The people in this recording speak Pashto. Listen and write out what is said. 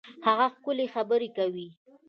هغه ښکلي خبري کوي.